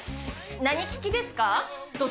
何利きですか？